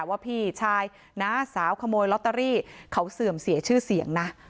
ว่าพี่ชายน้าสาวขโมยลอตเตอรี่เขาเสื่อมเสียชื่อเสียงนะ